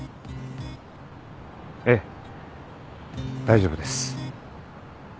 ええ大丈夫です。